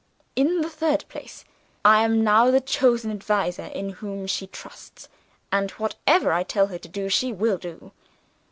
In the third place, I am now the chosen adviser in whom she trusts; and what I tell her to do, she will do.